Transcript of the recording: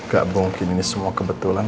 gak mungkin ini semua kebetulan